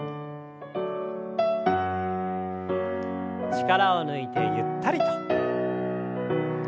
力を抜いてゆったりと。